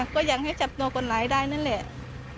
ก็ยังให้จับตัวคนร้ายได้นั่นแหละ